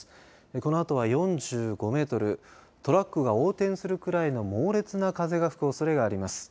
このあとは４５メートルトラックが横転するくらいの猛烈な風が吹くおそれがあります。